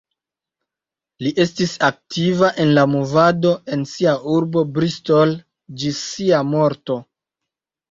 Li estis aktiva en la movado en sia urbo Bristol, ĝis sia morto.